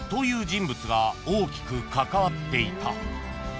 人物が大きく関わっていた］